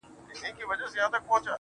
اوس خو رڼاگاني كيسې نه كوي,